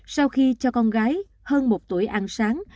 sau khi cho con gái hơn một tuổi ăn sáng